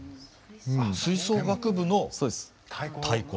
吹奏楽部の太鼓。